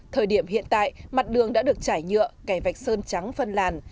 thời điểm hiện tại mặt đường đã được chải nhựa cày vạch sơn trắng phân làn